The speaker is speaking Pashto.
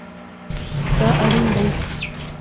دا اړین دی